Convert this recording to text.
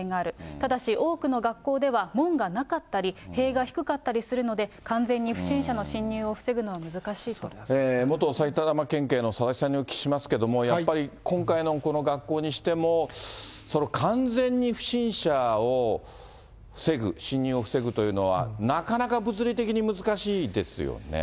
ただし多くの学校では、門がなかったり、塀が低かったりするので、完全に不審者の侵入を防ぐのは難しいと元埼玉県警の佐々木さんにお聞きしますけれども、やっぱりこの今回の学校にしても、完全に不審者を防ぐ、侵入を防ぐというのは、なかなか物理的に難しいですよね。